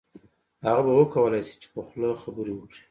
هغه به وکولای شي چې په خوله خبرې وکړي